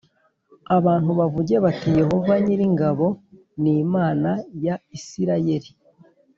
Abantu bavuge bati yehova nyir ingabo ni imana ya isirayeli